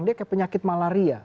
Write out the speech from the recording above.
dia kayak penyakit malaria